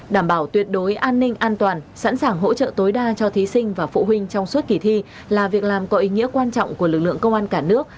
đảm bảo tuyệt đối an ninh an toàn sẵn sàng hỗ trợ tối đa cho thí sinh và phụ huynh trong suốt kỳ thi là việc làm có ý nghĩa quan trọng của lực lượng công an cả nước